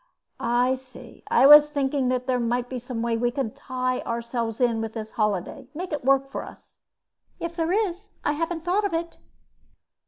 "I see. I was thinking there might be some way we could tie ourselves in with this holiday. Make it work for us." "If there is I haven't thought of it."